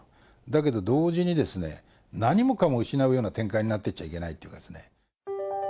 だけど同時に、何もかも失うような展開になっていっちゃいけないというかですね。